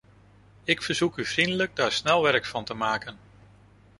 Ik verzoek u vriendelijk daar snel werk van te maken.